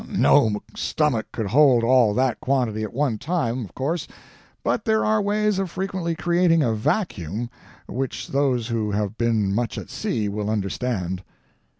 No stomach could hold all that quantity at one time, of course but there are ways of frequently creating a vacuum, which those who have been much at sea will understand.